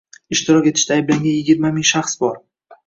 Ishtirok etishda ayblangan yigirma ming shaxs bor